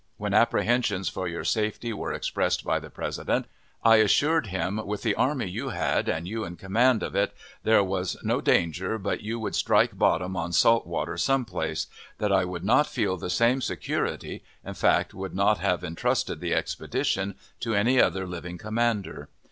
When apprehensions for your safety were expressed by the President, I assured him with the army you had, and you in command of it, there was no danger but you would strike bottom on salt water some place; that I would not feel the same security in fact, would not have intrusted the expedition to any other living commander.